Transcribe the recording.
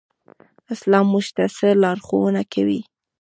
اسلام موږ ته څه لارښوونه کوي؟